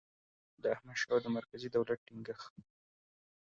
د احمدشاه او د مرکزي دولت ټینګیښت